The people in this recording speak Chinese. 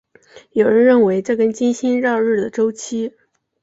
有人认为这跟金星绕日的周期。